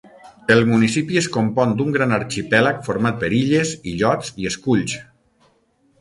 El municipi es compon d'un gran arxipèlag format per illes, illots i esculls.